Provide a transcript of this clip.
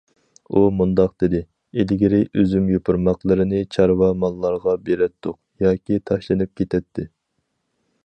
ئۇ مۇنداق دېدى: ئىلگىرى ئۈزۈم يوپۇرماقلىرىنى چارۋا ماللارغا بېرەتتۇق ياكى تاشلىنىپ كېتەتتى.